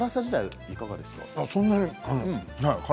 そんなにない。